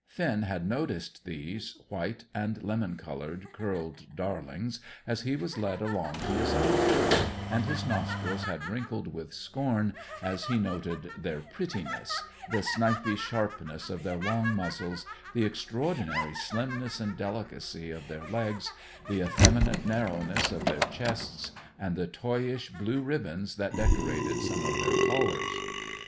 Finn had noticed these white and lemon coloured curled darlings as he was led along to his own bench, and his nostrils had wrinkled with scorn as he noted their "prettiness," the snipey sharpness of their long muzzles, the extraordinary slimness and delicacy of their legs, the effeminate narrowness of their chests, and the toyish blue ribbons that decorated some of their collars.